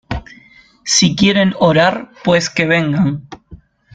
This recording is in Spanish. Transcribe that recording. Si quieren orar pues que vengan.